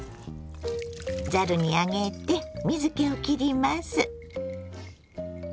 ざるに上げて水けをきります。